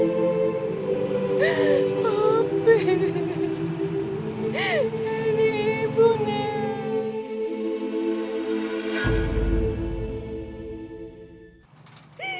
nanti ibu nek